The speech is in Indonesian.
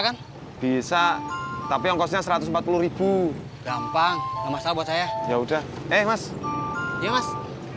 kan bisa tapi kosnya rp satu ratus empat puluh gampang masalah buat saya yaudah eh mas iya mas